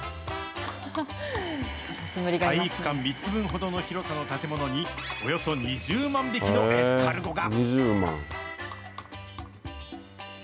体育館３つ分ほどの広さの建物に、およそ２０万匹のエスカルゴが。